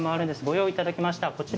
用意していただきました。